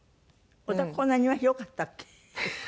お宅こんなに庭広かったっけ？